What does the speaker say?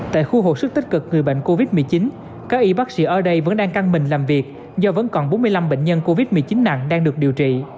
tại khu hồi sức tích cực người bệnh covid một mươi chín các y bác sĩ ở đây vẫn đang căng mình làm việc do vẫn còn bốn mươi năm bệnh nhân covid một mươi chín nặng đang được điều trị